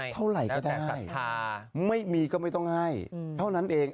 เท่าไหร่ก็ได้ไม่มีก็ไม่ต้องให้เท่านั้นเอง